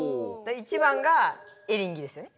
１番がエリンギですよね。